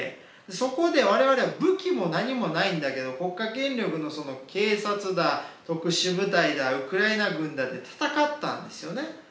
そこで我々は武器も何もないんだけど国家権力のその警察だ特殊部隊だウクライナ軍だって戦ったんですよね。